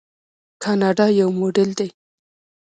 کاناډا یو موډل دی.